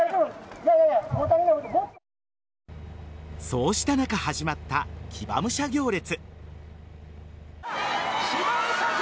そうした中、始まった騎馬武者行列。